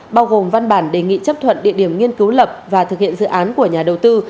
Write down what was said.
bao gồm văn bản đề nghị chấp thuận địa điểm nghiên cứu lập và thực hiện dự án của nhà đầu tư